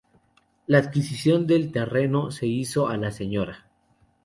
La adquisición del terreno se hizo a la Sra.